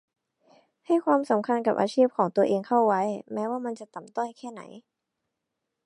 ให้ความสำคัญกับอาชีพของตัวเองเข้าไว้ แม้ว่ามันจะต่ำต้อยแค่ไหน